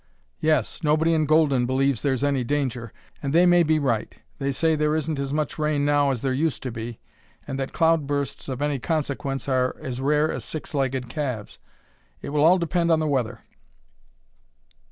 "Yes; nobody in Golden believes there's any danger. And they may be right. They say there isn't as much rain now as there used to be, and that cloud bursts of any consequence are as rare as six legged calves. It will all depend on the weather."